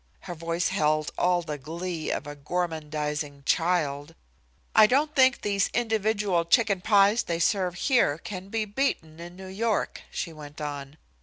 Her voice held all the glee of a gormandizing child. "I don't think these individual chicken pies they serve here can be beaten in New York," she went on.